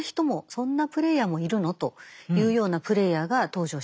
そんなプレイヤーもいるの？というようなプレイヤーが登場します。